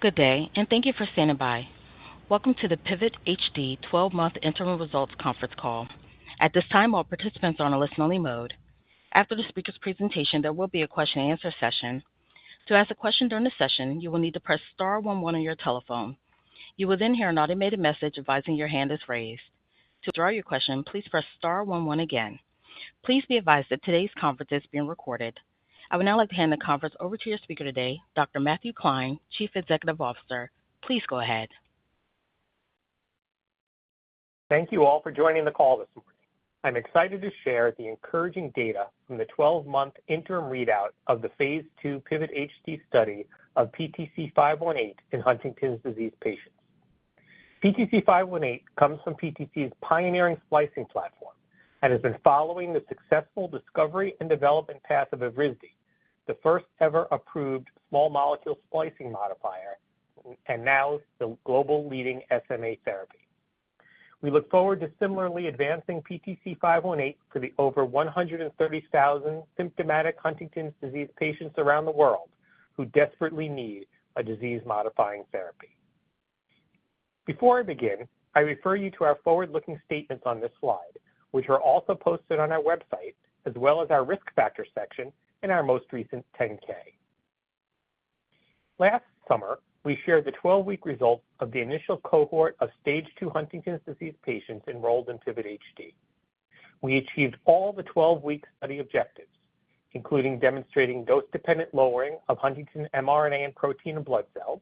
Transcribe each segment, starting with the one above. Good day, and thank you for standing by. Welcome to the PIVOT-HD 12-month Interim Results Conference Call. At this time, all participants are on a listen-only mode. After the speaker's presentation, there will be a question-and-answer session. To ask a question during the session, you will need to press star 11 on your telephone. You will then hear an automated message advising your hand is raised. To withdraw your question, please press star 11 again. Please be advised that today's conference is being recorded. I would now like to hand the conference over to your speaker today, Dr. Matthew Klein, Chief Executive Officer. Please go ahead. Thank you all for joining the call this morning. I'm excited to share the encouraging data from the 12-month interim readout of the Phase 2 PIVOT-HD study of PTC518 in Huntington's disease patients. PTC518 comes from PTC's pioneering splicing platform and has been following the successful discovery and development path of Evrysdi, the first ever approved small molecule splicing modifier, and now the global leading SMA therapy. We look forward to similarly advancing PTC518 for the over 130,000 symptomatic Huntington's disease patients around the world who desperately need a disease-modifying therapy. Before I begin, I refer you to our forward-looking statements on this slide, which are also posted on our website, as well as our risk factor section in our most recent 10-K. Last summer, we shared the 12-week results of the initial cohort of Stage 2 Huntington's disease patients enrolled in PIVOT-HD. We achieved all the 12-week study objectives, including demonstrating dose-dependent lowering of Huntington mRNA and protein and blood cells,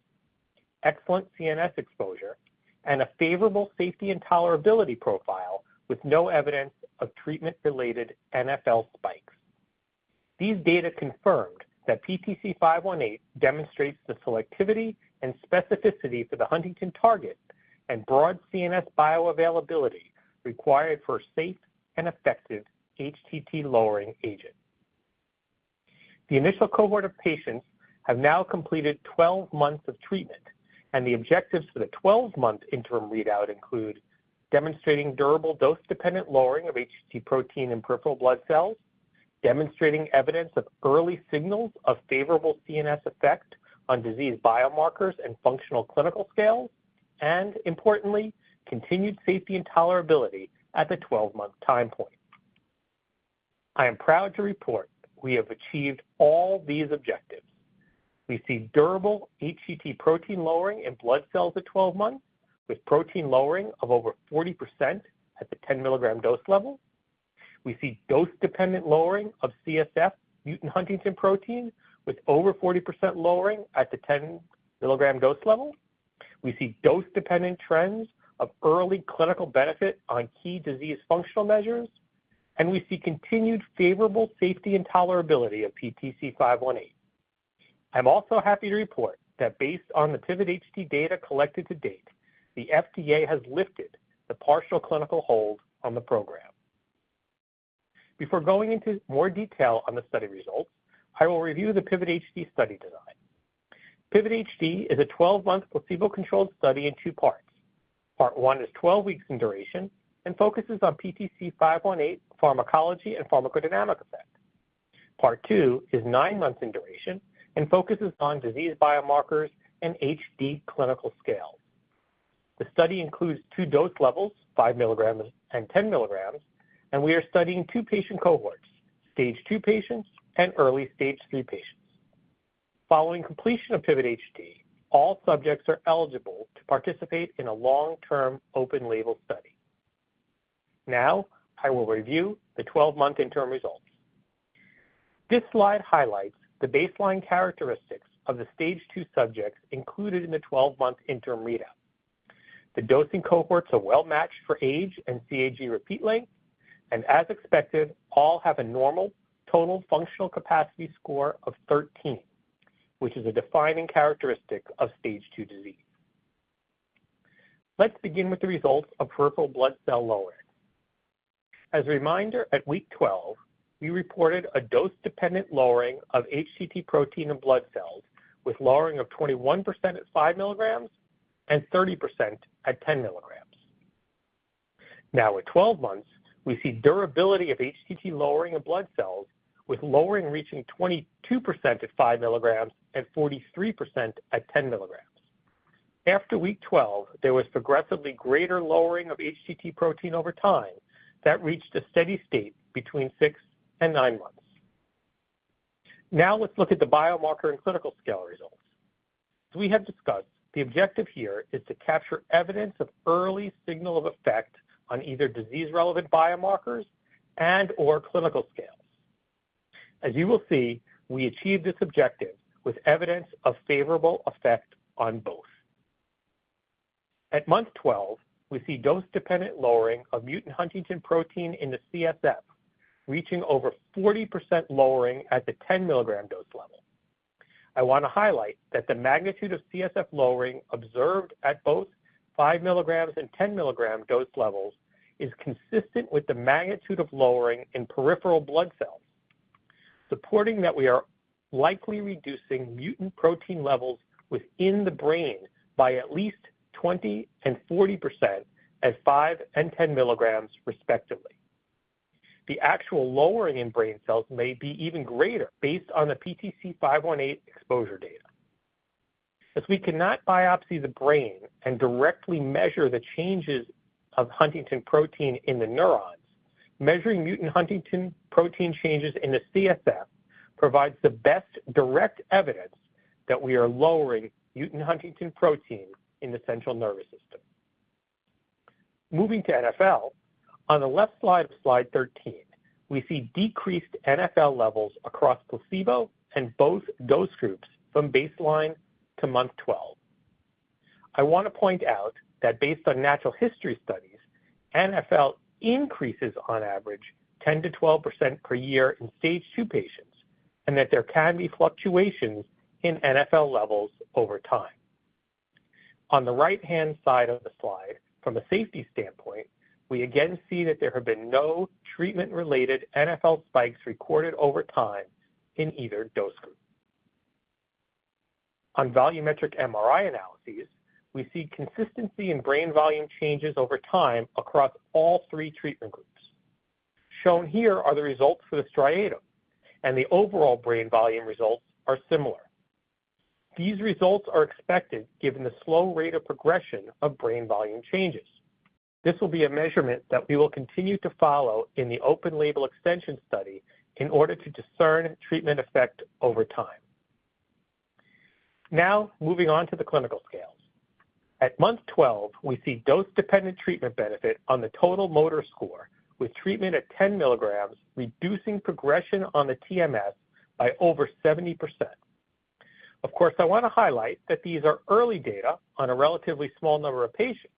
excellent CNS exposure, and a favorable safety and tolerability profile with no evidence of treatment-related NfL spikes. These data confirmed that PTC518 demonstrates the selectivity and specificity for the huntingtin mRNA and broad CNS bioavailability required for a safe and effective HTT lowering agent. The initial cohort of patients have now completed 12 months of treatment, and the objectives for the 12-month interim readout include demonstrating durable dose-dependent lowering of HTT protein and peripheral blood cells, demonstrating evidence of early signals of favorable CNS effect on disease biomarkers and functional clinical scales, and, importantly, continued safety and tolerability at the 12-month time point. I am proud to report we have achieved all these objectives. We see durable HTT protein lowering in blood cells at 12 months, with protein lowering of over 40% at the 10-milligram dose level. We see dose-dependent lowering of CSF mutant Huntington protein, with over 40% lowering at the 10-milligram dose level. We see dose-dependent trends of early clinical benefit on key disease functional measures, and we see continued favorable safety and tolerability of PTC518. I'm also happy to report that, based on the Pivot HD data collected to date, the FDA has lifted the partial clinical hold on the program. Before going into more detail on the study results, I will review the Pivot HD study design. Pivot HD is a 12-month placebo-controlled study in two parts. Part one is 12 weeks in duration and focuses on PTC518 pharmacology and pharmacodynamic effect. Part two is 9 months in duration and focuses on disease biomarkers and HD clinical scales. The study includes two dose levels, five milligrams and 10 milligrams, and we are studying two patient cohorts: Stage 2 patients and early Stage 3 patients. Following completion of PIVOT-HD, all subjects are eligible to participate in a long-term open-label study. Now, I will review the 12-month interim results. This slide highlights the baseline characteristics of the Stage 2 subjects included in the 12-month interim readout. The dosing cohorts are well-matched for age and CAG repeat length, and, as expected, all have a normal total functional capacity score of 13, which is a defining characteristic of Stage 2 disease. Let's begin with the results of peripheral blood cell lowering. As a reminder, at week 12, we reported a dose-dependent lowering of HTT protein and blood cells, with lowering of 21% at five milligrams and 30% at 10 milligrams. Now, at 12 months, we see durability of HTT lowering of blood cells, with lowering reaching 22% at 5 milligrams and 43% at 10 milligrams. After week 12, there was progressively greater lowering of HTT protein over time that reached a steady state between six and nine months. Now, let's look at the biomarker and clinical scale results. As we have discussed, the objective here is to capture evidence of early signal of effect on either disease-relevant biomarkers and/or clinical scales. As you will see, we achieved this objective with evidence of favorable effect on both. At month 12, we see dose-dependent lowering of mutant Huntington protein in the CSF, reaching over 40% lowering at the 10-milligram dose level. I want to highlight that the magnitude of CSF lowering observed at both 5 mg and 10 mg dose levels is consistent with the magnitude of lowering in peripheral blood cells, supporting that we are likely reducing mutant protein levels within the brain by at least 20% and 40% at 5 mg and 10 mg, respectively. The actual lowering in brain cells may be even greater, based on the PTC518 exposure data. As we cannot biopsy the brain and directly measure the changes of Huntingtin protein in the neurons, measuring mutant Huntingtin protein changes in the CSF provides the best direct evidence that we are lowering mutant Huntingtin protein in the central nervous system. Moving to NfL, on the left side of slide 13, we see decreased NfL levels across placebo and both dose groups from baseline to month 12. I want to point out that, based on natural history studies, NfL increases on average 10%-12% per year in Stage 2 patients and that there can be fluctuations in NfL levels over time. On the right-hand side of the slide, from a safety standpoint, we again see that there have been no treatment-related NfL spikes recorded over time in either dose group. On volumetric MRI analyses, we see consistency in brain volume changes over time across all three treatment groups. Shown here are the results for the striatum, and the overall brain volume results are similar. These results are expected given the slow rate of progression of brain volume changes. This will be a measurement that we will continue to follow in the open-label extension study in order to discern treatment effect over time. Now, moving on to the clinical scales. At month 12, we see dose-dependent treatment benefit on the Total Motor Score, with treatment at 10 milligrams reducing progression on the TMS by over 70%. Of course, I want to highlight that these are early data on a relatively small number of patients,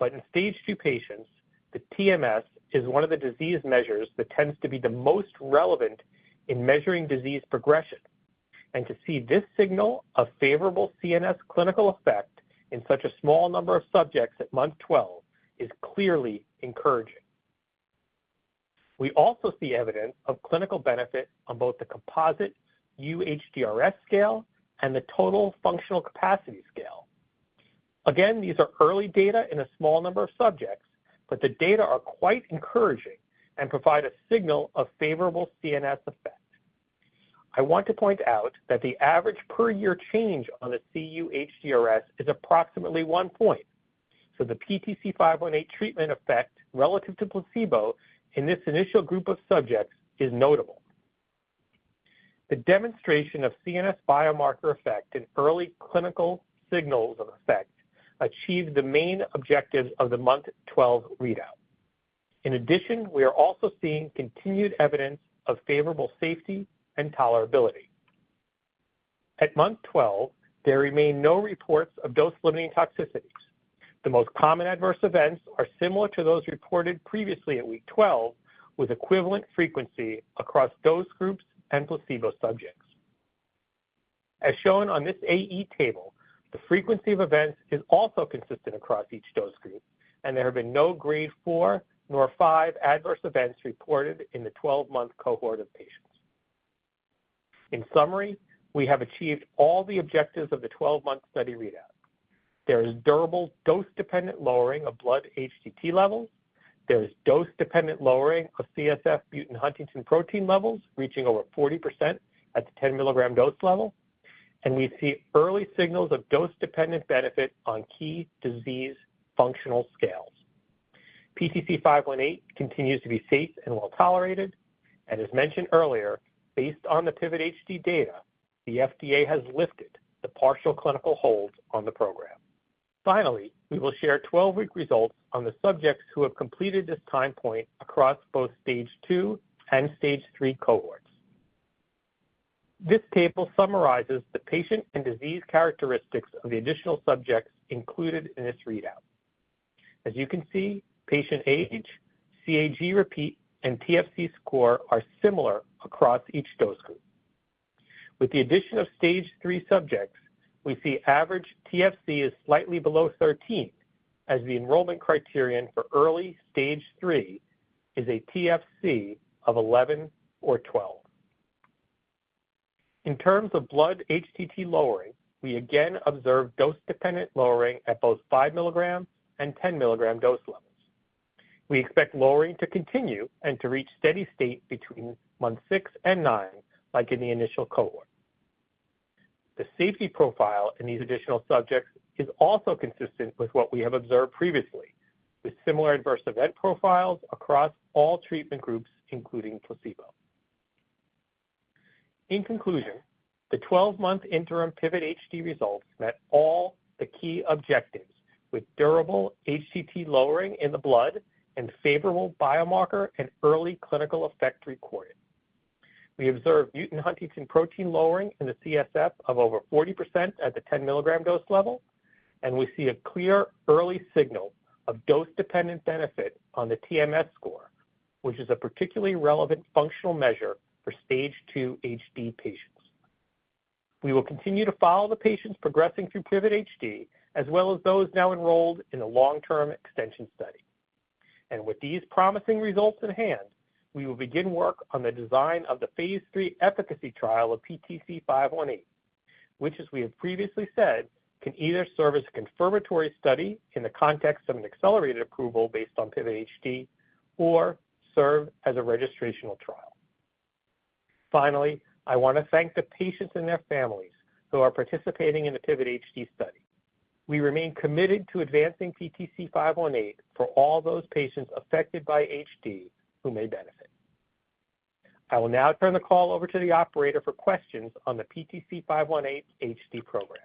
but in Stage 2 patients, the TMS is one of the disease measures that tends to be the most relevant in measuring disease progression, and to see this signal of favorable CNS clinical effect in such a small number of subjects at month 12 is clearly encouraging. We also see evidence of clinical benefit on both the composite UHDRS scale and the Total Functional Capacity scale. Again, these are early data in a small number of subjects, but the data are quite encouraging and provide a signal of favorable CNS effect. I want to point out that the average per-year change on the cUHDRS is approximately one point, so the PTC518 treatment effect relative to placebo in this initial group of subjects is notable. The demonstration of CNS biomarker effect in early clinical signals of effect achieved the main objectives of the month 12 readout. In addition, we are also seeing continued evidence of favorable safety and tolerability. At month 12, there remain no reports of dose-limiting toxicities. The most common adverse events are similar to those reported previously at week 12, with equivalent frequency across dose groups and placebo subjects. As shown on this AE table, the frequency of events is also consistent across each dose group, and there have been no grade 4 nor 5 adverse events reported in the 12-month cohort of patients. In summary, we have achieved all the objectives of the 12-month study readout. There is durable dose-dependent lowering of blood HTT levels. There is dose-dependent lowering of CSF mutant Huntington protein levels, reaching over 40% at the 10-mg dose level, and we see early signals of dose-dependent benefit on key disease functional scales. PTC518 continues to be safe and well-tolerated, and, as mentioned earlier, based on the PIVOT-HD data, the FDA has lifted the partial clinical hold on the program. Finally, we will share 12-week results on the subjects who have completed this time point across both Stage 2 and Stage 3 cohorts. This table summarizes the patient and disease characteristics of the additional subjects included in this readout. As you can see, patient age, CAG repeat, and TFC score are similar across each dose group. With the addition of Stage 3 subjects, we see average TFC is slightly below 13, as the enrollment criterion for early Stage 3 is a TFC of 11 or 12. In terms of blood HTT lowering, we again observe dose-dependent lowering at both 5 milligrams and 10 milligram dose levels. We expect lowering to continue and to reach steady state between month 6 and 9, like in the initial cohort. The safety profile in these additional subjects is also consistent with what we have observed previously, with similar adverse event profiles across all treatment groups, including placebo. In conclusion, the 12-month interim PIVOT-HD results met all the key objectives, with durable HTT lowering in the blood and favorable biomarker and early clinical effect recorded. We observed mutant Huntington protein lowering in the CSF of over 40% at the 10 mg dose level, and we see a clear early signal of dose-dependent benefit on the TMS score, which is a particularly relevant functional measure for Stage 2 HD patients. We will continue to follow the patients progressing through Pivot HD, as well as those now enrolled in the long-term extension study. And with these promising results in hand, we will begin work on the design of the phase 3 efficacy trial of PTC518, which, as we have previously said, can either serve as a confirmatory study in the context of an accelerated approval based on Pivot HD or serve as a registrational trial. Finally, I want to thank the patients and their families who are participating in the Pivot HD study. We remain committed to advancing PTC518 for all those patients affected by HD who may benefit. I will now turn the call over to the operator for questions on the PTC518 HD program.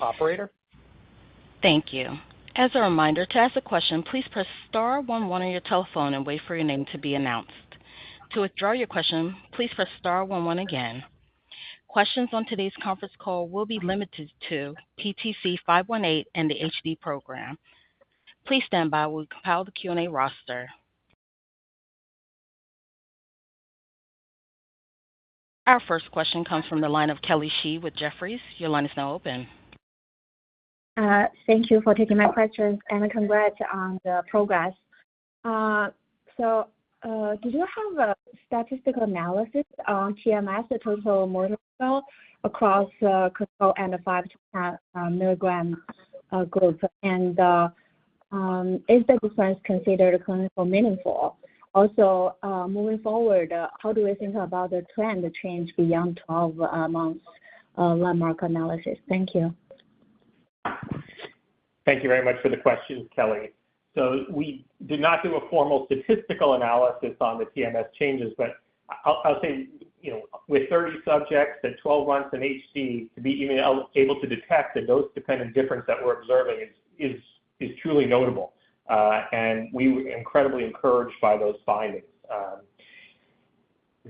Operator? Thank you. As a reminder, to ask a question, please press star 11 on your telephone and wait for your name to be announced. To withdraw your question, please press star 11 again. Questions on today's conference call will be limited to PTC518 and the HD program. Please stand by while we compile the Q&A roster. Our first question comes from the line of Kelly Shi with Jefferies. Your line is now open. Thank you for taking my question and congrats on the progress. So did you have a statistical analysis on TMS, the total motor score, across the control and the 5 milligram group? And is the difference considered clinically meaningful? Also, moving forward, how do we think about the trend change beyond 12-month landmark analysis? Thank you. Thank you very much for the question, Kelly. So we did not do a formal statistical analysis on the TMS changes, but I'll say, you know, with 30 subjects at 12 months in HD, to be even able to detect the dose-dependent difference that we're observing is truly notable. And we were incredibly encouraged by those findings.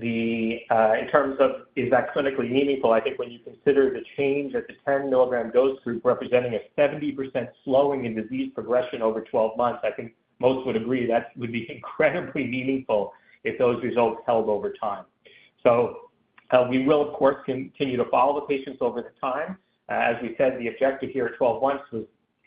In terms of, is that clinically meaningful, I think when you consider the change at the 10-milligram dose group representing a 70% slowing in disease progression over 12 months, I think most would agree that would be incredibly meaningful if those results held over time. So we will, of course, continue to follow the patients over time. As we said, the objective here at 12 months was,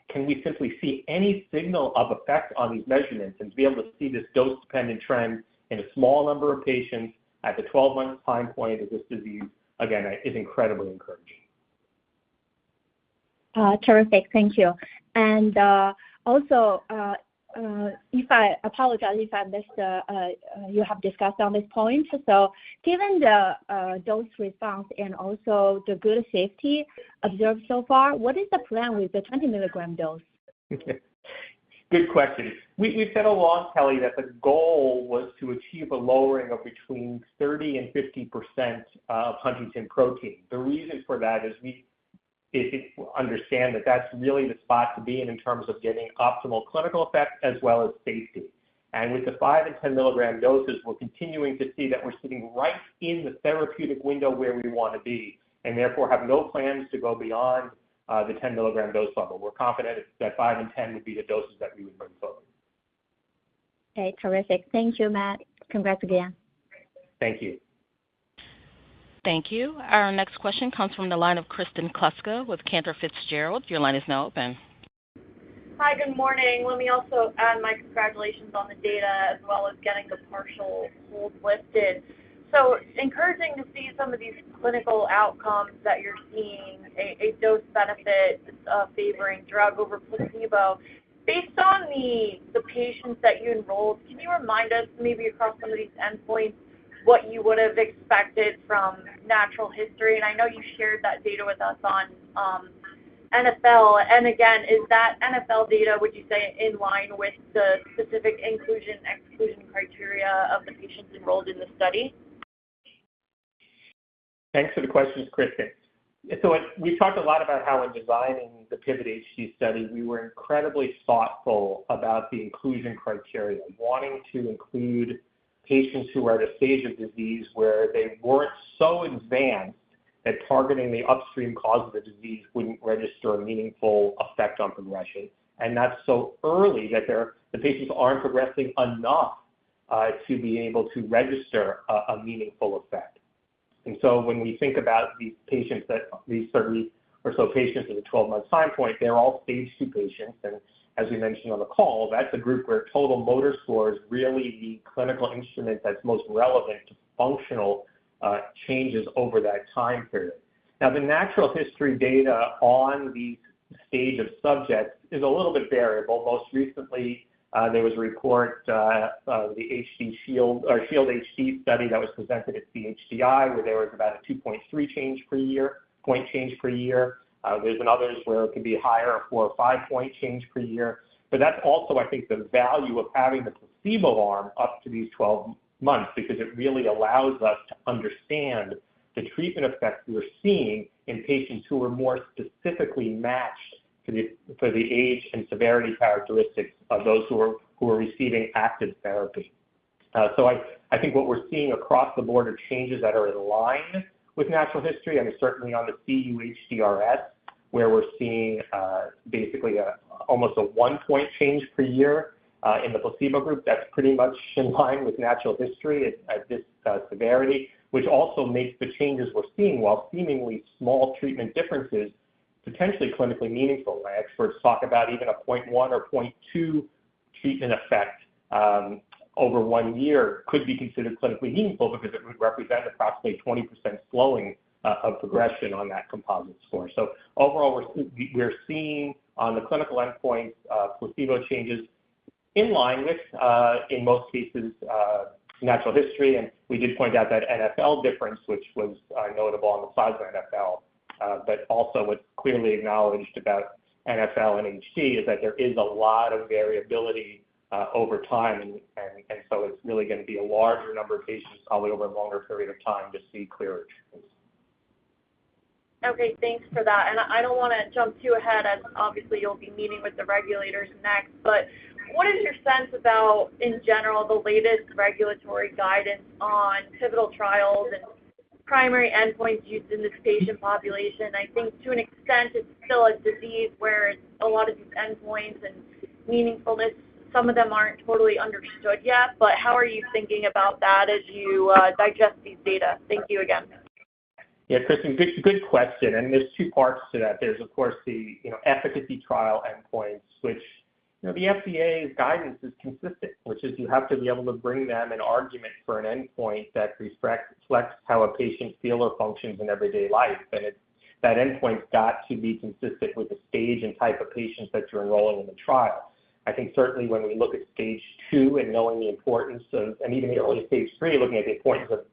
can we simply see any signal of effect on these measurements and be able to see this dose-dependent trend in a small number of patients at the 12-month time point of this disease? Again, it is incredibly encouraging. Terrific. Thank you. And also, I apologize if I missed what you have discussed on this point. So given the dose response and also the good safety observed so far, what is the plan with the 20-milligram dose? Good question. We said all along, Kelly, that the goal was to achieve a lowering of between 30% and 50% of Huntington protein. The reason for that is we understand that that's really the spot to be in in terms of getting optimal clinical effect as well as safety. With the 5- and 10-milligram doses, we're continuing to see that we're sitting right in the therapeutic window where we want to be and therefore have no plans to go beyond the 10-milligram dose level. We're confident that 5 and 10 would be the doses that we would bring forward. Okay. Terrific. Thank you, Matt. Congrats again. Thank you. Thank you. Our next question comes from the line of Kristen Kluska with Cantor Fitzgerald. Your line is now open. Hi, good morning. Let me also add my congratulations on the data, as well as getting the partial hold lifted. So encouraging to see some of these clinical outcomes that you're seeing, a dose benefit favoring drug over placebo. Based on the patients that you enrolled, can you remind us, maybe across some of these endpoints, what you would have expected from natural history? And I know you shared that data with us on NfL. And again, is that NfL data, would you say, in line with the specific inclusion/exclusion criteria of the patients enrolled in the study? Thanks for the question, Kristen. So we've talked a lot about how, in designing the PIVOT-HD study, we were incredibly thoughtful about the inclusion criteria, wanting to include patients who are at a stage of disease where they weren't so advanced that targeting the upstream cause of the disease wouldn't register a meaningful effect on progression. And that's so early that the patients aren't progressing enough to be able to register a meaningful effect. And so when we think about these patients, these 30 or so patients at the 12-month time point, they're all Stage 2 patients. And as we mentioned on the call, that's a group where total motor score is really the clinical instrument that's most relevant to functional changes over that time period. Now, the natural history data on these stages of subjects is a little bit variable. Most recently, there was a report, the SHIELD-HD, or SHIELD-HD study that was presented at CHDI, where there was about a 2.3-point change per year, point change per year. There's others where it could be higher, a 4 or 5 point change per year. But that's also, I think, the value of having the placebo arm up to these 12 months, because it really allows us to understand the treatment effect we're seeing in patients who are more specifically matched for the age and severity characteristics of those who are receiving active therapy. So I think what we're seeing across the board are changes that are in line with natural history. And certainly on the cUHDRS, where we're seeing basically almost a 1-point change per year in the placebo group, that's pretty much in line with natural history at this severity, which also makes the changes we're seeing, while seemingly small treatment differences, potentially clinically meaningful. My experts talk about even a 0.1 or 0.2 treatment effect over 1 year could be considered clinically meaningful because it would represent approximately 20% slowing of progression on that composite score. So overall, we're seeing on the clinical endpoints placebo changes in line with, in most cases, natural history. And we did point out that NfL difference, which was notable on the plasma NfL, but also what's clearly acknowledged about NfL and HD, is that there is a lot of variability over time. And so it's really going to be a larger number of patients probably over a longer period of time to see clearer changes. Okay. Thanks for that. And I don't want to jump too ahead, as obviously you'll be meeting with the regulators next. But what is your sense about, in general, the latest regulatory guidance on pivotal trials and primary endpoints used in this patient population? I think to an extent it's still a disease where a lot of these endpoints and meaningfulness, some of them aren't totally understood yet. But how are you thinking about that as you digest these data? Thank you again. Yeah, Kristen, good question. And there's two parts to that. There's, of course, the efficacy trial endpoints, which the FDA's guidance is consistent, which is you have to be able to bring them an argument for an endpoint that reflects how a patient feels or functions in everyday life. That endpoint's got to be consistent with the stage and type of patients that you're enrolling in the trial. I think certainly when we look at Stage 2 and knowing the importance of, and even the early Stage 3, looking at the importance of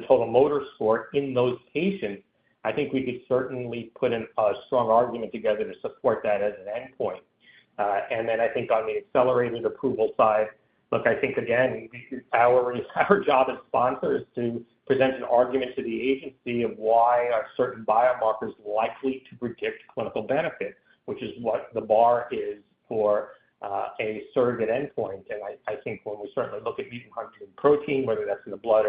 the Total Motor Score in those patients, I think we could certainly put in a strong argument together to support that as an endpoint. And then I think on the accelerated approval side, look, I think, again, our job as sponsors is to present an argument to the agency of why are certain biomarkers likely to predict clinical benefit, which is what the bar is for a surrogate endpoint. And I think when we certainly look at mutant Huntington protein, whether that's in the blood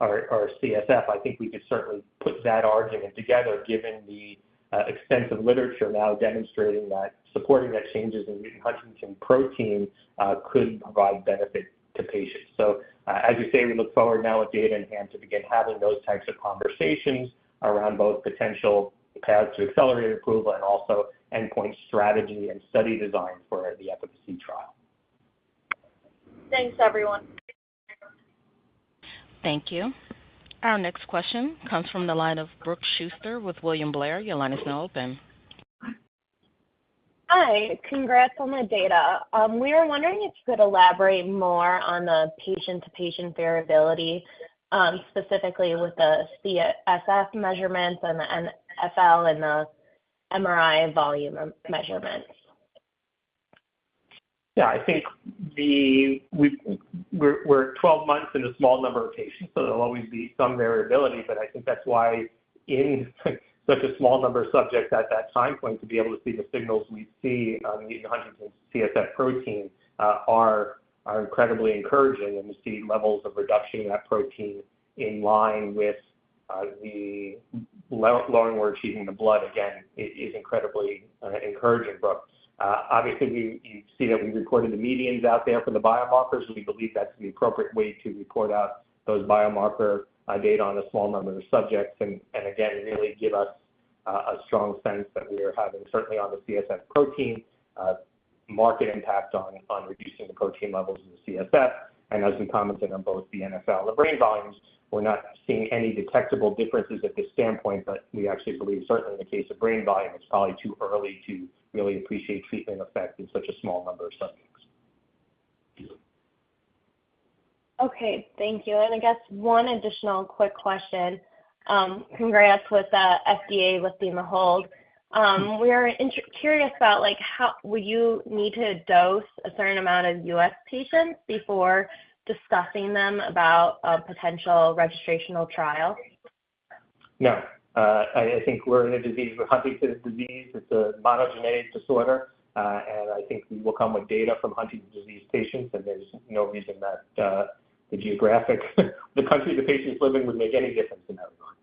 or CSF, I think we could certainly put that argument together, given the extensive literature now demonstrating that supporting that changes in mutant Huntington protein could provide benefit to patients. So as you say, we look forward now with data in hand to begin having those types of conversations around both potential paths to accelerated approval and also endpoint strategy and study design for the efficacy trial. Thanks, everyone. Thank you. Our next question comes from the line of Brooke Schuster with William Blair. Your line is now open. Hi. Congrats on the data. We were wondering if you could elaborate more on the patient-to-patient variability, specifically with the CSF measurements and the NfL and the MRI volume measurements. Yeah, I think we're at 12 months in a small number of patients, so there'll always be some variability. But I think that's why, in such a small number of subjects at that time point, to be able to see the signals we see on mutant Huntington's CSF protein are incredibly encouraging. And we see levels of reduction in that protein in line with the lowering or achieving the blood, again, is incredibly encouraging, Brooke. Obviously, you see that we recorded the medians out there for the biomarkers. We believe that's the appropriate way to report out those biomarker data on a small number of subjects. And again, really give us a strong sense that we are having, certainly on the CSF protein, marked impact on reducing the protein levels in the CSF. And as we commented on both the NfL and the brain volumes, we're not seeing any detectable differences at this standpoint. But we actually believe, certainly in the case of brain volume, it's probably too early to really appreciate treatment effect in such a small number of subjects. Okay. Thank you. And I guess one additional quick question. Congrats with the FDA lifting the hold. We are curious about, would you need to dose a certain amount of U.S. patients before discussing them about a potential registrational trial? No. I think we're in a disease with Huntington's disease. It's a monogenic disorder. And I think we will come with data from Huntington's disease patients. There's no reason that the geographic, the country the patient's living would make any difference in that regard.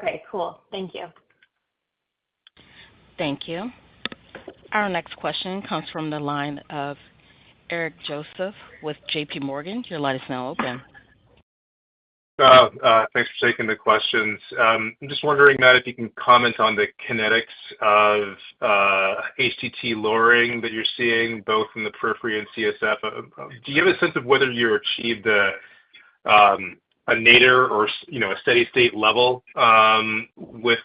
Okay. Cool. Thank you. Thank you. Our next question comes from the line of Eric Joseph with J.P. Morgan. Your line is now open. Thanks for taking the questions. I'm just wondering, Matt, if you can comment on the kinetics of HTT lowering that you're seeing both in the periphery and CSF. Do you have a sense of whether you achieved a nadir or a steady-state level with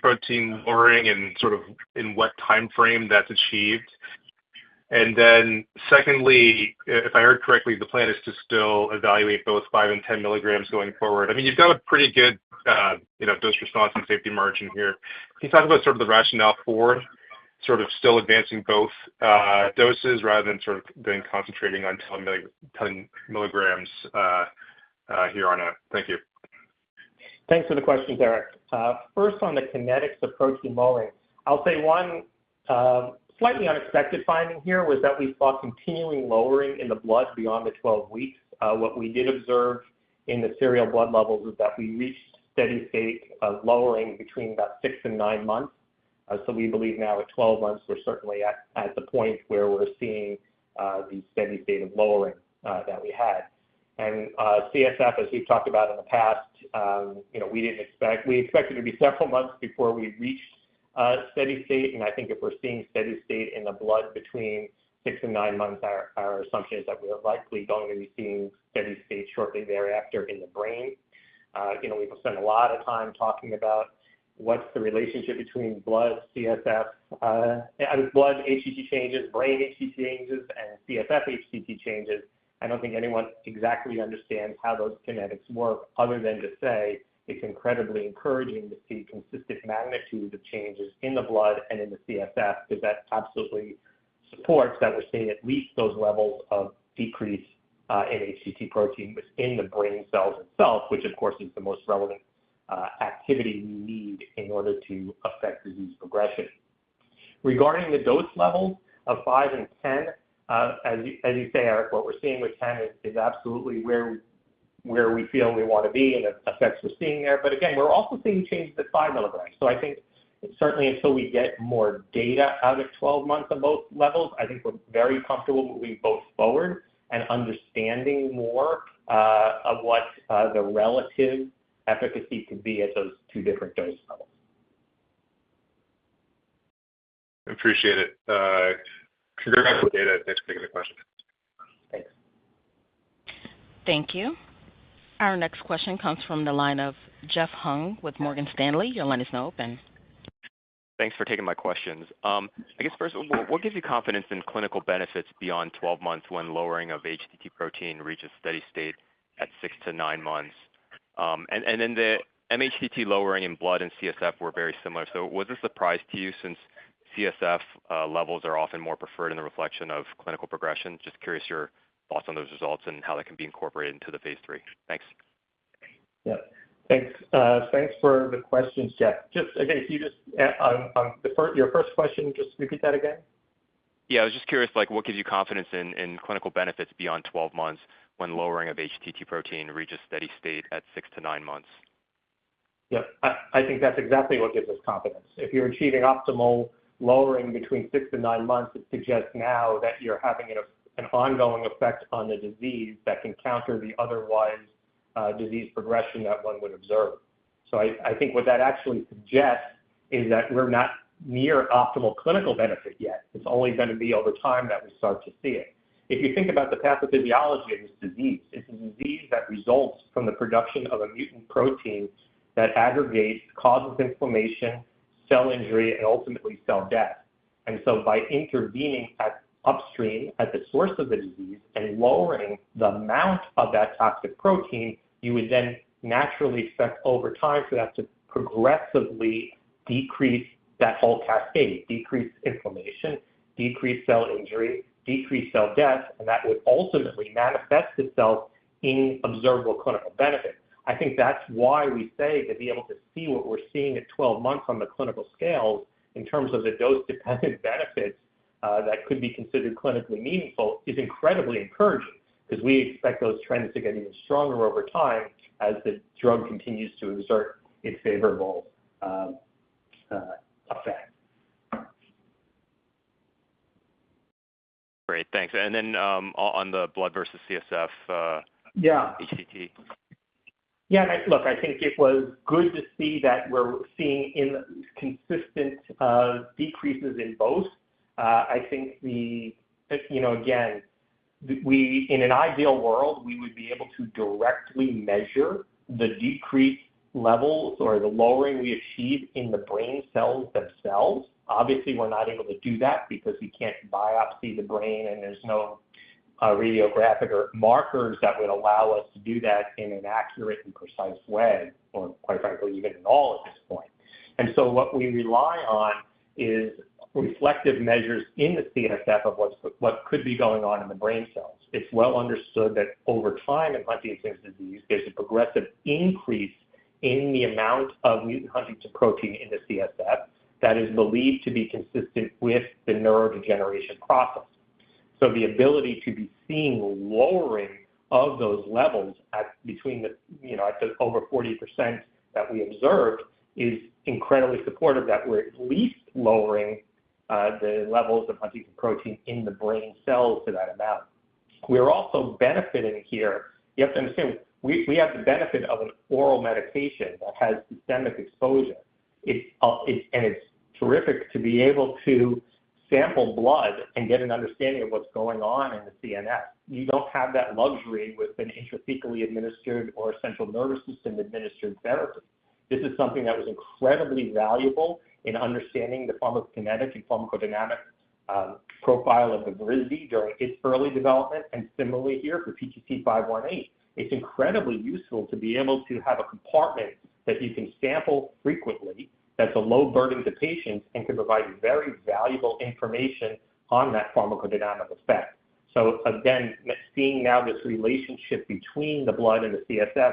protein lowering and sort of in what time frame that's achieved? And then secondly, if I heard correctly, the plan is to still evaluate both 5 and 10 milligrams going forward. I mean, you've got a pretty good dose response and safety margin here. Can you talk about sort of the rationale for sort of still advancing both doses rather than sort of then concentrating on 10 milligrams here on a—thank you. Thanks for the questions, Eric. First, on the kinetics of protein lowering, I'll say one slightly unexpected finding here was that we saw continuing lowering in the blood beyond the 12 weeks. What we did observe in the serial blood levels is that we reached steady-state lowering between about six and nine months. So we believe now at 12 months, we're certainly at the point where we're seeing the steady-state of lowering that we had. And CSF, as we've talked about in the past, we didn't expect—we expected it to be several months before we reached steady-state. I think if we're seeing steady-state in the blood between 6 and 9 months, our assumption is that we're likely going to be seeing steady-state shortly thereafter in the brain. We've spent a lot of time talking about what's the relationship between blood CSF, blood HTT changes, brain HTT changes, and CSF HTT changes. I don't think anyone exactly understands how those kinetics work other than to say it's incredibly encouraging to see consistent magnitude of changes in the blood and in the CSF because that absolutely supports that we're seeing at least those levels of decrease in HTT protein within the brain cells itself, which, of course, is the most relevant activity we need in order to affect disease progression. Regarding the dose levels of 5 and 10, as you say, Eric, what we're seeing with 10 is absolutely where we feel we want to be and the effects we're seeing there. But again, we're also seeing changes at 5 milligrams. So I think certainly until we get more data out at 12 months on both levels, I think we're very comfortable moving both forward and understanding more of what the relative efficacy could be at those two different dose levels. Appreciate it. Congrats with the data. Thanks for taking the question. Thanks. Thank you. Our next question comes from the line of Jeffrey Hung with Morgan Stanley. Your line is now open. Thanks for taking my questions. I guess first, what gives you confidence in clinical benefits beyond 12 months when lowering of HTT protein reaches steady-state at 6 to 9 months? And then the mHTT lowering in blood and CSF were very similar. So was this a surprise to you since CSF levels are often more preferred in the reflection of clinical progression? Just curious your thoughts on those results and how that can be incorporated into the Phase 3. Thanks. Yeah. Thanks. Thanks for the questions, Jeff. Just again, can you just, your first question, just repeat that again? Yeah. I was just curious, what gives you confidence in clinical benefits beyond 12 months when lowering of HTT protein reaches steady-state at six to nine months? Yeah. I think that's exactly what gives us confidence. If you're achieving optimal lowering between six and nine months, it suggests now that you're having an ongoing effect on the disease that can counter the otherwise disease progression that one would observe. So I think what that actually suggests is that we're not near optimal clinical benefit yet. It's only going to be over time that we start to see it. If you think about the pathophysiology of this disease, it's a disease that results from the production of a mutant protein that aggregates, causes inflammation, cell injury, and ultimately cell death. And so by intervening upstream at the source of the disease and lowering the amount of that toxic protein, you would then naturally expect over time for that to progressively decrease that whole cascade, decrease inflammation, decrease cell injury, decrease cell death, and that would ultimately manifest itself in observable clinical benefit. I think that's why we say to be able to see what we're seeing at 12 months on the clinical scales in terms of the dose-dependent benefits that could be considered clinically meaningful is incredibly encouraging because we expect those trends to get even stronger over time as the drug continues to exert its favorable effect. Great. Thanks. And then on the blood versus CSF HTT. Yeah. Look, I think it was good to see that we're seeing consistent decreases in both. I think, again, in an ideal world, we would be able to directly measure the decrease levels or the lowering we achieve in the brain cells themselves. Obviously, we're not able to do that because we can't biopsy the brain, and there's no radiographic markers that would allow us to do that in an accurate and precise way, or quite frankly, even at all at this point. And so what we rely on is reflective measures in the CSF of what could be going on in the brain cells. It's well understood that over time in Huntington's disease, there's a progressive increase in the amount of mutant Huntington protein in the CSF that is believed to be consistent with the neurodegeneration process. So the ability to be seeing lowering of those levels between the over 40% that we observed is incredibly supportive that we're at least lowering the levels of Huntington protein in the brain cells to that amount. We're also benefiting here. You have to understand, we have the benefit of an oral medication that has systemic exposure. And it's terrific to be able to sample blood and get an understanding of what's going on in the CNS. You don't have that luxury with an intrathecally administered or central nervous system administered therapy. This is something that was incredibly valuable in understanding the pharmacokinetic and pharmacodynamic profile of Evrysdi during its early development. Similarly here for PTC518, it's incredibly useful to be able to have a compartment that you can sample frequently that's a low burden to patients and can provide very valuable information on that pharmacodynamic effect. Again, seeing now this relationship between the blood and the CSF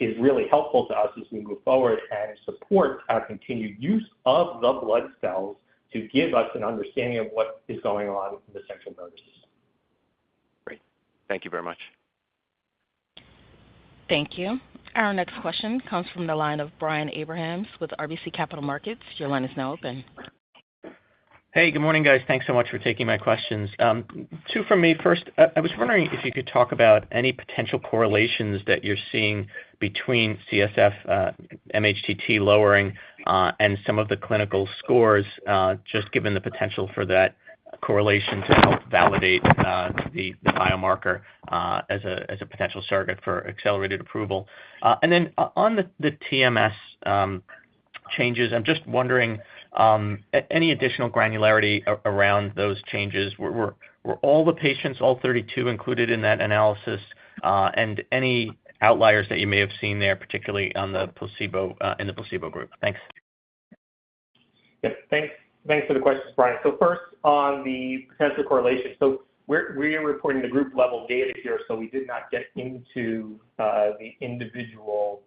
is really helpful to us as we move forward and support our continued use of the blood cells to give us an understanding of what is going on in the central nervous system. Great. Thank you very much. Thank you. Our next question comes from the line of Brian Abrahams with RBC Capital Markets. Your line is now open. Hey. Good morning, guys. Thanks so much for taking my questions. Two from me. First, I was wondering if you could talk about any potential correlations that you're seeing between CSF mHTT lowering and some of the clinical scores, just given the potential for that correlation to help validate the biomarker as a potential surrogate for accelerated approval. And then on the TMS changes, I'm just wondering, any additional granularity around those changes? Were all the patients, all 32, included in that analysis? And any outliers that you may have seen there, particularly in the placebo group? Thanks. Yep. Thanks for the questions, Brian. So first, on the potential correlation. So we're reporting the group-level data here, so we did not get into the individual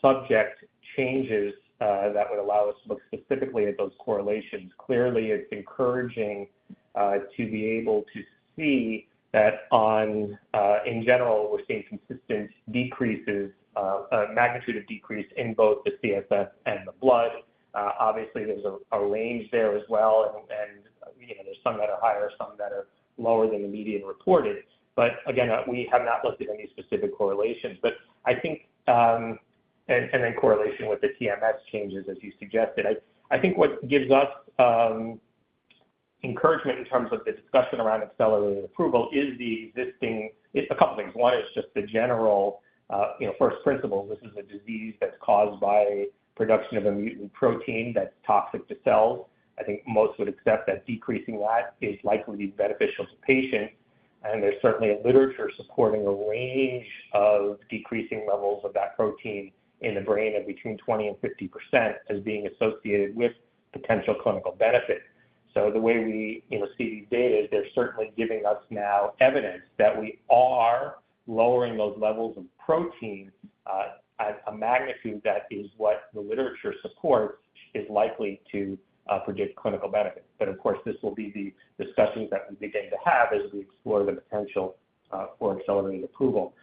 subject changes that would allow us to look specifically at those correlations. Clearly, it's encouraging to be able to see that in general, we're seeing consistent decreases, a magnitude of decrease in both the CSF and the blood. Obviously, there's a range there as well. There's some that are higher, some that are lower than the median reported. Again, we have not looked at any specific correlations. I think, and then correlation with the TMS changes, as you suggested, I think what gives us encouragement in terms of the discussion around accelerated approval is the existing, a couple of things. One is just the general first principles. This is a disease that's caused by production of a mutant protein that's toxic to cells. I think most would accept that decreasing that is likely to be beneficial to patients. And there's certainly a literature supporting a range of decreasing levels of that protein in the brain of between 20% and 50% as being associated with potential clinical benefit. So the way we see these data is they're certainly giving us now evidence that we are lowering those levels of protein at a magnitude that is what the literature supports is likely to predict clinical benefit. But of course, this will be the discussions that we begin to have as we explore the potential for accelerated approval.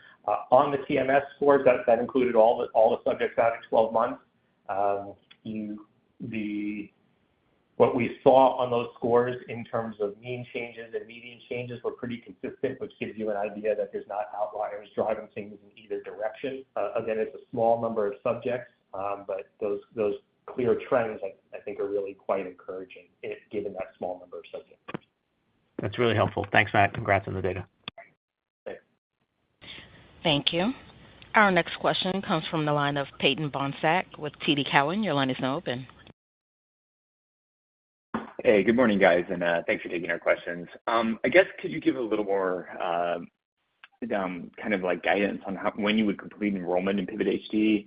On the TMS scores, that included all the subjects out at 12 months. What we saw on those scores in terms of mean changes and median changes were pretty consistent, which gives you an idea that there's not outliers driving things in either direction. Again, it's a small number of subjects, but those clear trends, I think, are really quite encouraging given that small number of subjects. That's really helpful. Thanks, Matt. Congrats on the data. Thanks. Thank you. Our next question comes from the line of Peyton Bohnsack with TD Cowen. Your line is now open. Hey. Good morning, guys. And thanks for taking our questions. I guess, could you give a little more kind of guidance on when you would complete enrollment in PIVOT-HD?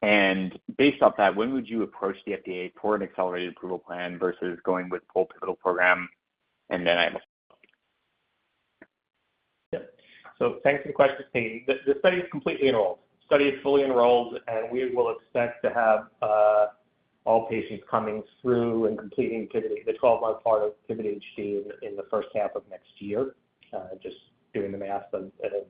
And based off that, when would you approach the FDA for an accelerated approval plan versus going with full PIVOTAL program? And then I'll—Yep. So thanks for the question. The study is completely enrolled. The study is fully enrolled, and we will expect to have all patients coming through and completing the 12-month part of PIVOT-HD in the first half of next year, just doing the math of it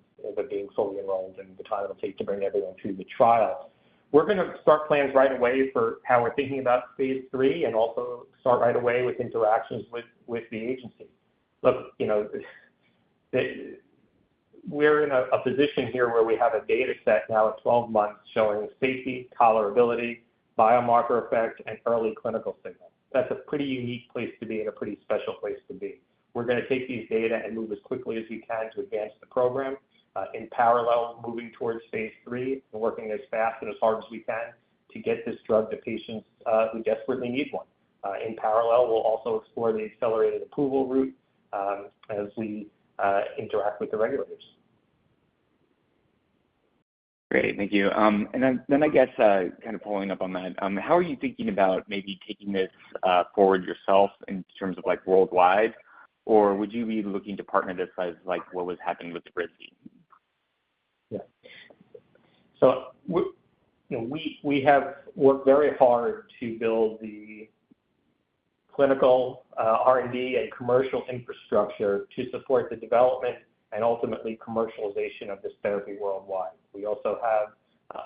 being fully enrolled and the time it'll take to bring everyone through the trial. We're going to start plans right away for how we're thinking about phase 3 and also start right away with interactions with the agency. Look, we're in a position here where we have a dataset now at 12 months showing safety, tolerability, biomarker effect, and early clinical signals. That's a pretty unique place to be and a pretty special place to be. We're going to take these data and move as quickly as we can to advance the program, in parallel, moving towards Phase 3 and working as fast and as hard as we can to get this drug to patients who desperately need one. In parallel, we'll also explore the accelerated approval route as we interact with the regulators. Great. Thank you. And then I guess, kind of following up on that, how are you thinking about maybe taking this forward yourself in terms of worldwide? Or would you be looking to partner this as what was happening with the Evrysdi? Yeah. So we have worked very hard to build the clinical R&D and commercial infrastructure to support the development and ultimately commercialization of this therapy worldwide. We also have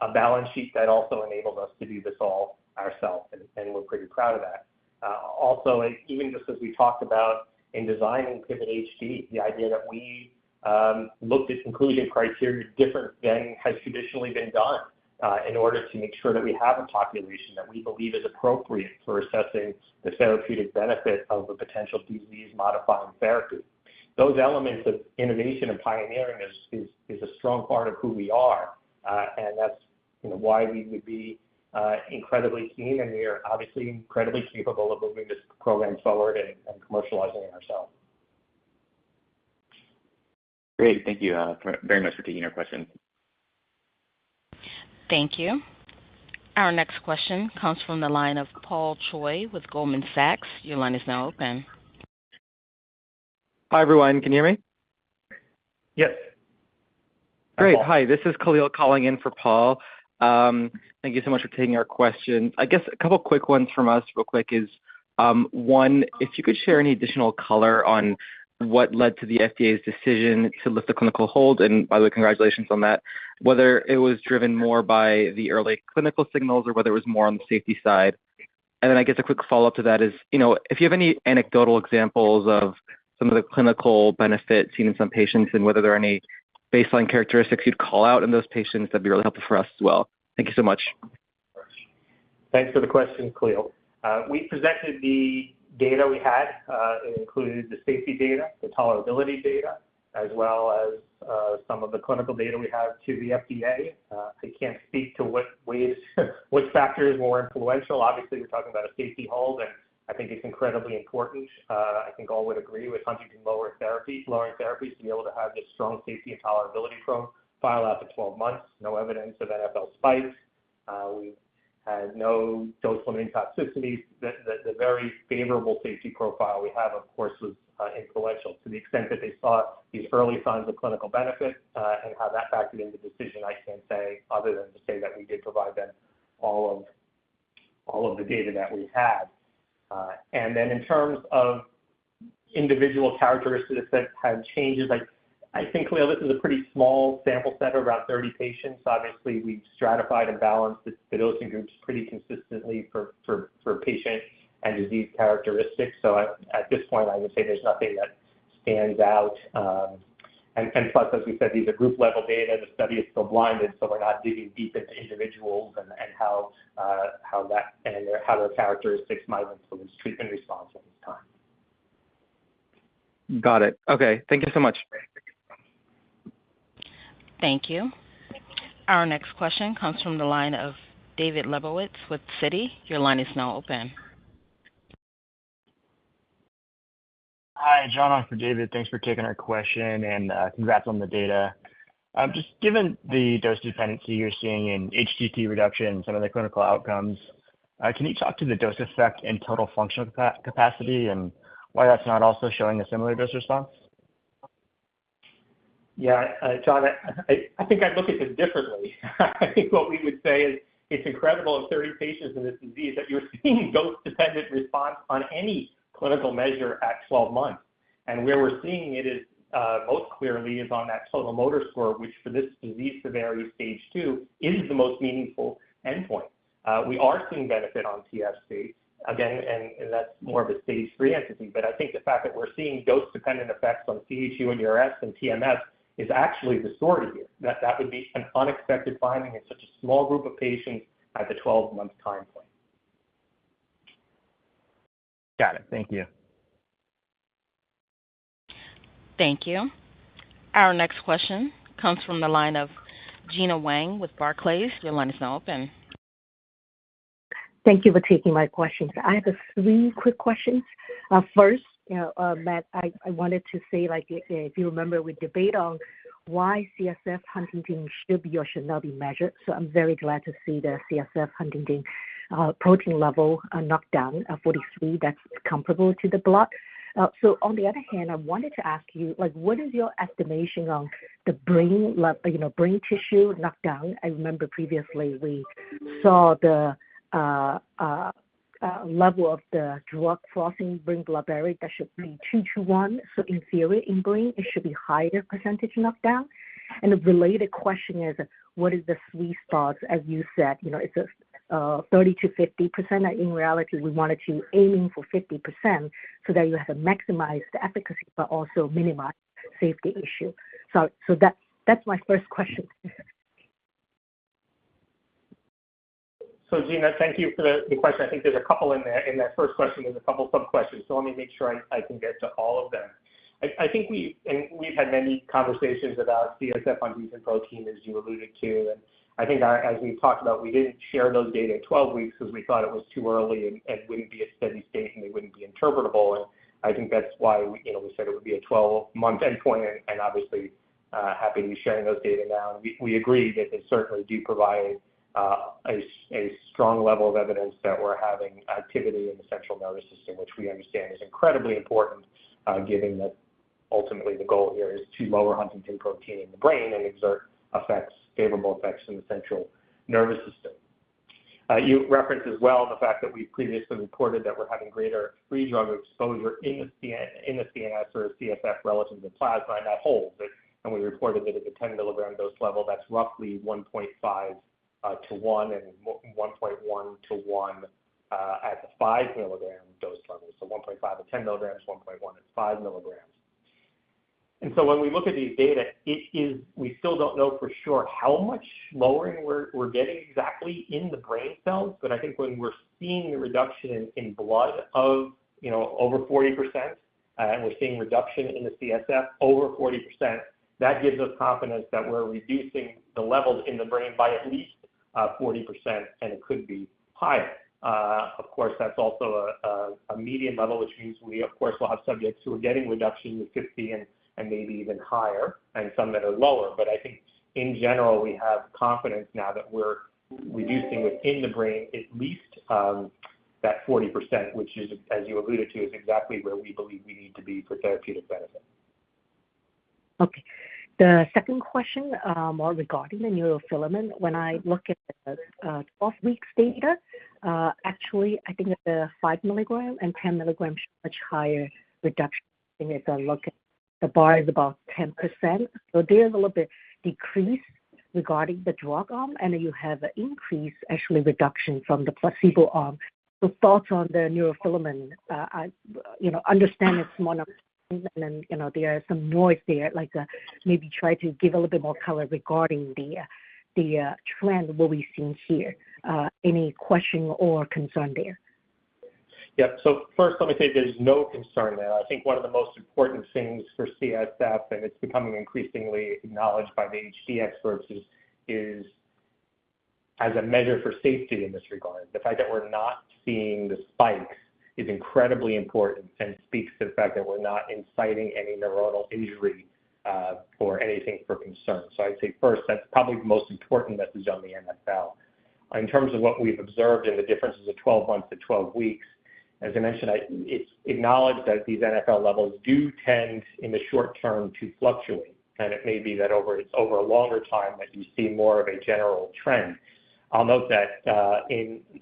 a balance sheet that also enables us to do this all ourselves, and we're pretty proud of that. Also, even just as we talked about in designing PIVOT HD, the idea that we looked at inclusion criteria different than has traditionally been done in order to make sure that we have a population that we believe is appropriate for assessing the therapeutic benefit of a potential disease-modifying therapy. Those elements of innovation and pioneering is a strong part of who we are, and that's why we would be incredibly keen, and we are obviously incredibly capable of moving this program forward and commercializing it ourselves. Great. Thank you very much for taking our questions. Thank you. Our next question comes from the line of Paul Choi with Goldman Sachs. Your line is now open. Hi, everyone. Can you hear me? Yes. Great. Hi. This is Khalil calling in for Paul. Thank you so much for taking our questions. I guess a couple of quick ones from us real quick is, one, if you could share any additional color on what led to the FDA's decision to lift the clinical hold, and by the way, congratulations on that, whether it was driven more by the early clinical signals or whether it was more on the safety side. And then I guess a quick follow-up to that is, if you have any anecdotal examples of some of the clinical benefit seen in some patients and whether there are any baseline characteristics you'd call out in those patients, that'd be really helpful for us as well. Thank you so much. Thanks for the question, Khalil. We presented the data we had. It included the safety data, the tolerability data, as well as some of the clinical data we have to the FDA. I can't speak to which factors were influential. Obviously, we're talking about a safety hold, and I think it's incredibly important. I think all would agree with huntingtin lowering therapies to be able to have this strong safety and tolerability profile after 12 months. No evidence of NfL spikes. We had no dose-limiting toxicities. The very favorable safety profile we have, of course, was influential to the extent that they saw these early signs of clinical benefit and how that factored into decision, I can't say other than to say that we did provide them all of the data that we had. And then in terms of individual characteristics that had changes, I think, Khalil, this is a pretty small sample set of about 30 patients. Obviously, we stratified and balanced the dosing groups pretty consistently for patient and disease characteristics. So at this point, I would say there's nothing that stands out. And plus, as we said, these are group-level data. The study is still blinded, so we're not digging deep into individuals and how their characteristics might influence treatment response at this time. Got it. Okay. Thank you so much. Thank you. Our next question comes from the line of David Lebowitz with Citi. Your line is now open. Hi, John. I'm for David. Thanks for taking our question, and congrats on the data. Just given the dose dependency you're seeing in HTT reduction and some of the clinical outcomes, can you talk to the dose effect and total functional capacity and why that's not also showing a similar dose response? Yeah. John, I think I'd look at this differently. I think what we would say is it's incredible at 30 patients in this disease that you're seeing dose-dependent response on any clinical measure at 12 months. And where we're seeing it most clearly is on that total motor score, which for this disease severity, Stage 2, is the most meaningful endpoint. We are seeing benefit on TFC. Again, and that's more of a Stage 3 entity. But I think the fact that we're seeing dose-dependent effects on cUHDRS and UHDRS and TMS is actually the story here. That would be an unexpected finding in such a small group of patients at the 12-month time point. Got it. Thank you. Thank you. Our next question comes from the line of Gina Wang with Barclays. Your line is now open. Thank you for taking my questions. I have three quick questions. First, Matt, I wanted to say, if you remember, we debate on why CSF huntingtin should be or should not be measured. So I'm very glad to see the CSF huntingtin protein level knockdown of 43%. That's comparable to the blood. So on the other hand, I wanted to ask you, what is your estimation on the brain tissue knockdown? I remember previously we saw the level of the drug crossing blood-brain barrier that should be 2:1. So in theory, in brain, it should be higher percentage knockdown. And a related question is, what is the sweet spot? As you said, it's 30%-50%. In reality, we wanted to aim for 50% so that you have a maximized efficacy but also minimize safety issue. That's my first question. Gina, thank you for the question. I think there's a couple in there. In that first question, there's a couple of sub-questions. Let me make sure I can get to all of them. We've had many conversations about CSF huntingtin protein, as you alluded to. I think as we've talked about, we didn't share those data at 12 weeks because we thought it was too early and wouldn't be a steady state and they wouldn't be interpretable. I think that's why we said it would be a 12-month endpoint. Obviously, happy to be sharing those data now. We agree that they certainly do provide a strong level of evidence that we're having activity in the central nervous system, which we understand is incredibly important, given that ultimately the goal here is to lower Huntington protein in the brain and exert favorable effects in the central nervous system. You referenced as well the fact that we previously reported that we're having greater free drug exposure in the CNS or CSF relative to the plasma and that holds. We reported that at the 10-milligram dose level, that's roughly 1.5 to 1 and 1.1 to 1 at the 5-milligram dose level. 1.5 at 10 milligrams, 1.1 at 5 milligrams. When we look at these data, we still don't know for sure how much lowering we're getting exactly in the brain cells. But I think when we're seeing the reduction in blood of over 40%, and we're seeing reduction in the CSF over 40%, that gives us confidence that we're reducing the levels in the brain by at least 40%, and it could be higher. Of course, that's also a median level, which means we, of course, will have subjects who are getting reductions of 50% and maybe even higher and some that are lower. But I think in general, we have confidence now that we're reducing within the brain at least that 40%, which, as you alluded to, is exactly where we believe we need to be for therapeutic benefit. Okay. The second question more regarding the neurofilament, when I look at the 12-week data, actually, I think the 5-milligram and 10-milligram show much higher reduction. I think if I look at the bar, it's about 10%. So there's a little bit decrease regarding the drug arm, and you have an increase, actually, reduction from the placebo arm. So thoughts on the neurofilament? I understand it's monoclonal, and there is some noise there. Maybe try to give a little bit more color regarding the trend, what we've seen here. Any question or concern there? Yep. So first, let me say there's no concern there. I think one of the most important things for CSF, and it's becoming increasingly acknowledged by the HD experts, is as a measure for safety in this regard. The fact that we're not seeing the spikes is incredibly important and speaks to the fact that we're not inciting any neuronal injury or anything for concern. So I'd say first, that's probably the most important message on the NfL. In terms of what we've observed in the differences of 12 months to 12 weeks, as I mentioned, it's acknowledged that these NfL levels do tend in the short term to fluctuate, and it may be that over a longer time that you see more of a general trend. I'll note that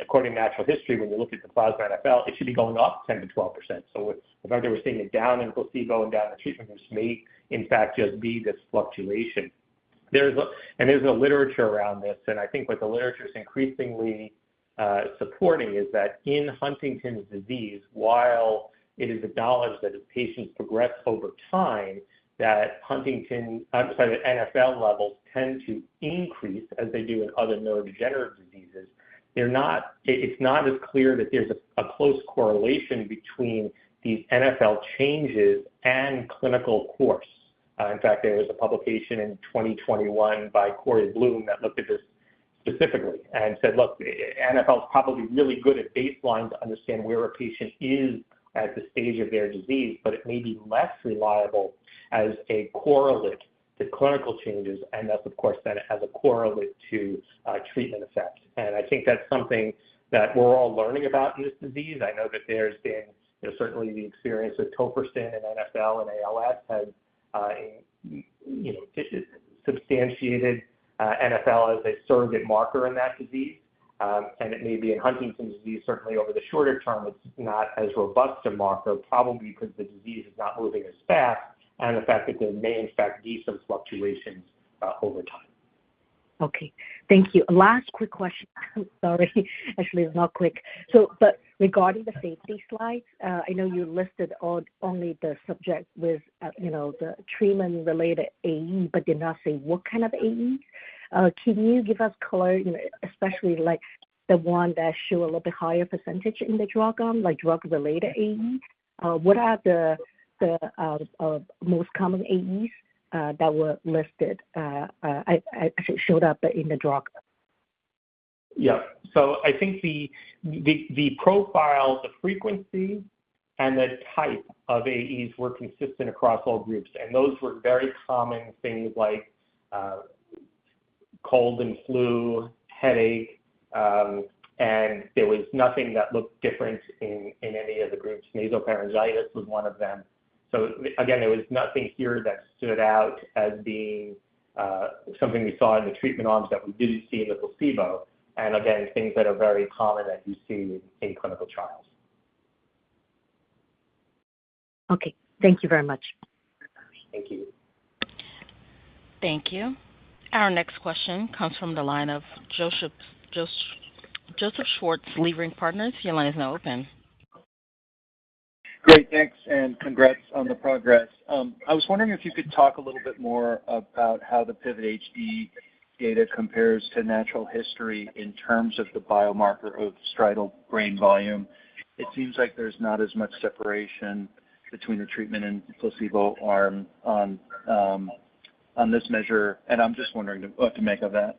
according to natural history, when you look at the plasma NfL, it should be going up 10%-12%. So if I were seeing it down in placebo and down in treatment, this may, in fact, just be this fluctuation. And there's a literature around this, and I think what the literature is increasingly supporting is that in Huntington's disease, while it is acknowledged that patients progress over time, that Huntington, I'm sorry, NfL levels tend to increase as they do in other neurodegenerative diseases. It's not as clear that there's a close correlation between these NFL changes and clinical course. In fact, there was a publication in 2021 by Jody Corey-Bloom that looked at this specifically and said, "Look, NFL is probably really good at baseline to understand where a patient is at the stage of their disease, but it may be less reliable as a correlate to clinical changes, and that's, of course, then as a correlate to treatment effect." And I think that's something that we're all learning about in this disease. I know that there's been certainly the experience with tofersen and NFL and ALS has substantiated NFL as a surrogate marker in that disease. It may be in Huntington's disease, certainly over the shorter term, it's not as robust a marker, probably because the disease is not moving as fast and the fact that there may, in fact, be some fluctuations over time. Okay. Thank you. Last quick question. Sorry. Actually, it's not quick. Regarding the safety slides, I know you listed only the subject with the treatment-related AE, but did not say what kind of AEs. Can you give us color, especially the one that show a little bit higher percentage in the drug arm, like drug-related AEs? What are the most common AEs that were listed? Actually, it showed up in the drug. Yep. So I think the profile, the frequency, and the type of AEs were consistent across all groups. And those were very common things like cold and flu, headache, and there was nothing that looked different in any of the groups. Nasopharyngitis was one of them. So again, there was nothing here that stood out as being something we saw in the treatment arms that we didn't see in the placebo. And again, things that are very common that you see in clinical trials. Okay. Thank you very much. Thank you. Thank you. Our next question comes from the line of Joseph Schwartz, Leerink Partners. Your line is now open. Great. Thanks, and congrats on the progress. I was wondering if you could talk a little bit more about how the PIVOT-HD data compares to natural history in terms of the biomarker of striatal brain volume. It seems like there's not as much separation between the treatment and placebo arm on this measure, and I'm just wondering what to make of that.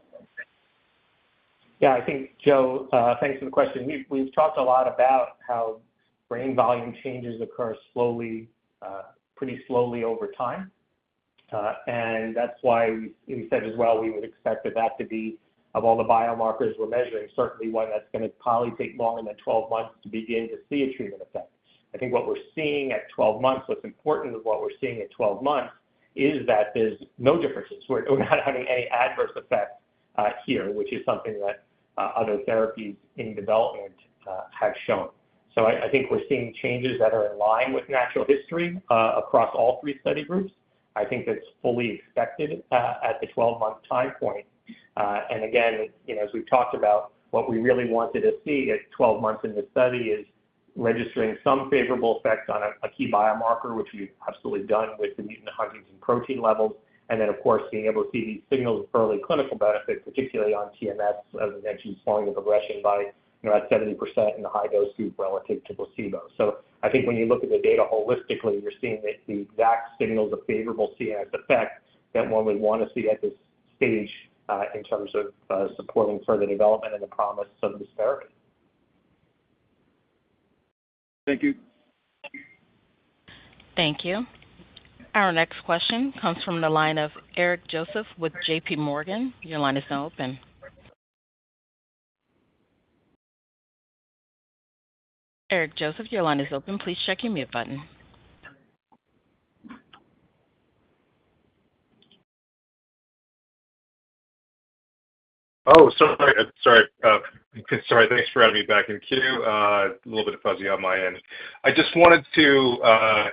Yeah. I think, Joe, thanks for the question. We've talked a lot about how brain volume changes occur pretty slowly over time. That's why we said as well we would expect that to be, of all the biomarkers we're measuring, certainly one that's going to probably take longer than 12 months to begin to see a treatment effect. I think what we're seeing at 12 months, what's important of what we're seeing at 12 months, is that there's no differences. We're not having any adverse effects here, which is something that other therapies in development have shown. I think we're seeing changes that are in line with natural history across all three study groups. I think that's fully expected at the 12-month time point. And again, as we've talked about, what we really wanted to see at 12 months in this study is registering some favorable effect on a key biomarker, which we've absolutely done with the mutant Huntington protein levels. And then, of course, being able to see these signals of early clinical benefit, particularly on TMS, as I mentioned, slowing the progression by about 70% in the high-dose group relative to placebo. So I think when you look at the data holistically, you're seeing the exact signals of favorable CNS effect that one would want to see at this stage in terms of supporting further development and the promise of this therapy. Thank you. Thank you. Our next question comes from the line of Eric Joseph with J.P. Morgan. Your line is now open. Eric Joseph, your line is open. Please check your mute button. Oh, sorry. Sorry. Thanks for having me back in queue. A little bit fuzzy on my end. I just wanted to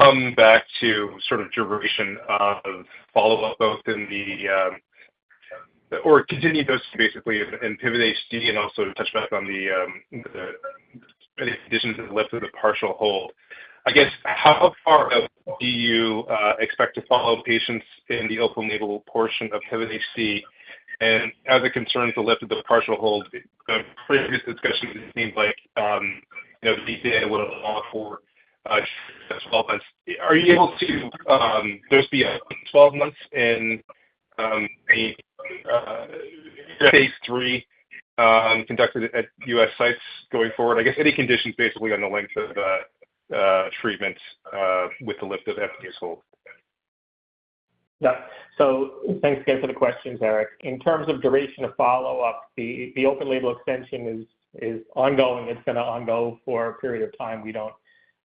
come back to sort of duration of follow-up, both in the or continued dosing, basically, in PIVOT HD and also touch back on the additions to the lift of the partial hold. I guess, how far do you expect to follow patients in the open-label portion of PIVOT HD? And as it concerns the lift of the partial hold, previous discussion, it seemed like these data would allow for 12 months. Are you able to dose for 12 months in phase 3 conducted at U.S. sites going forward? I guess any conditions, basically, on the length of treatment with the lift of FDA's hold. Yeah. So thanks again for the questions, Eric. In terms of duration of follow-up, the open-label extension is ongoing. It's going to go on for a period of time. We don't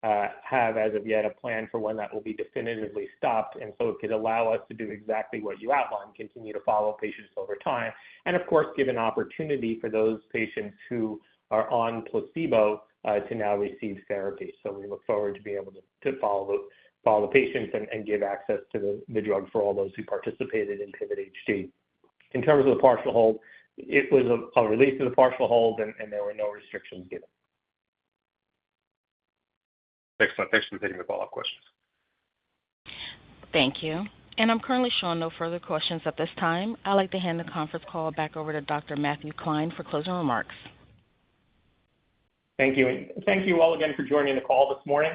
have, as of yet, a plan for when that will be definitively stopped. And so it could allow us to do exactly what you outlined, continue to follow patients over time, and, of course, give an opportunity for those patients who are on placebo to now receive therapy. So we look forward to being able to follow the patients and give access to the drug for all those who participated in PIVOT-HD. In terms of the partial hold, it was a release of the partial hold, and there were no restrictions given. Excellent. Thanks for taking the follow-up questions. Thank you. And I'm currently showing no further questions at this time. I'd like to hand the conference call back over to Dr. Matthew Klein for closing remarks. Thank you. Thank you all again for joining the call this morning.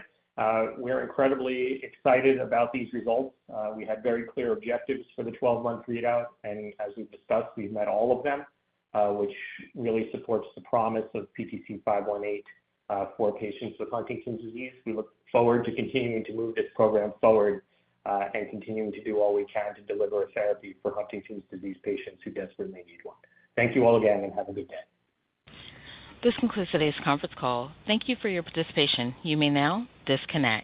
We're incredibly excited about these results. We had very clear objectives for the 12-month readout. And as we've discussed, we've met all of them, which really supports the promise of PTC518 for patients with Huntington's disease. We look forward to continuing to move this program forward and continuing to do all we can to deliver a therapy for Huntington's disease patients who desperately need one. Thank you all again, and have a good day. This concludes today's conference call. Thank you for your participation. You may now disconnect.